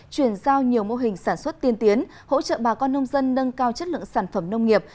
chuyển giao nhiều mô hình sản xuất tiên tiến hỗ trợ bà con nông dân nâng cao chất lượng sản phẩm nông nghiệp